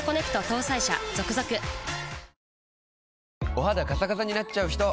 お肌カサカサになっちゃうひと？